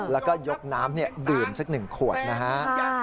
แล้วก็ยกน้ำดื่มสัก๑ขวดนะฮะ